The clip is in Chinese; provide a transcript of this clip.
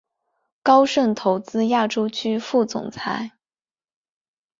高盛投资亚洲区副总裁。